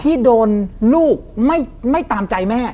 ที่โดนลูกไม่ตามใจแม่